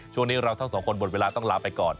ช่วงนี้เราทั้งสองคนหมดเวลาต้องลาไปก่อน